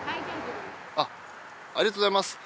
ありがとうございます。